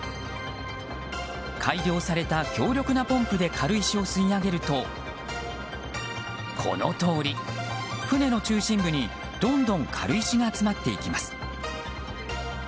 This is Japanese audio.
改良された強力なポンプで軽石を吸い上げるとこのとおり、船の中心部にどんどん軽石が詰まっていきます。